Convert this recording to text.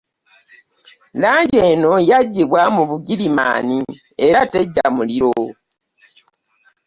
Langi eno yaggyibwa mu Bugirimaani era teggya muliro